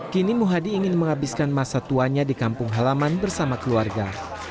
kini muhadi ingin menghabiskan masa tuanya di kampung halaman bersama keluarga